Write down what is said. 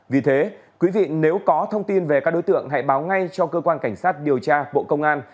vì thế quý vị nếu có thông tin về các đối tượng hãy báo ngay cho cơ quan cảnh sát điều tra bộ công an